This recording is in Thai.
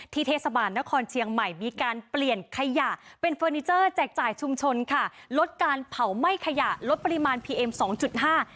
เทศบาลนครเชียงใหม่มีการเปลี่ยนขยะเป็นเฟอร์นิเจอร์แจกจ่ายชุมชนค่ะลดการเผาไหม้ขยะลดปริมาณพีเอ็มสองจุดห้า